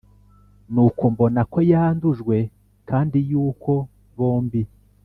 Nuko mbona ko yandujwe kandi yuko bombi